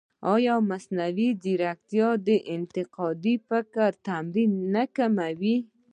ایا مصنوعي ځیرکتیا د انتقادي فکر تمرین نه کموي؟